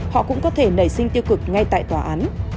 họ cũng có thể nảy sinh tiêu cực ngay tại tòa án